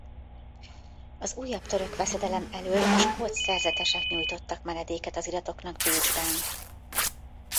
Az újabb török veszedelem elől a skót szerzetesek nyújtottak menedéket az iratoknak Bécsben.